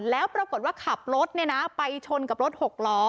แล้วปรากฏว่าขับรถไปชนกับรถ๖ล้อ